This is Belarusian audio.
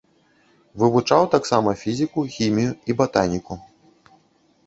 Вывучаў таксама фізіку, хімію і батаніку.